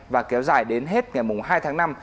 và kéo dài đến hết ngày hai tháng năm